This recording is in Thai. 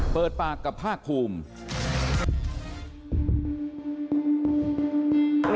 เปิดปากกับภาคภูมิ